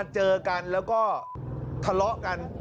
เจอกันแล้วก็ทะเลาะกัน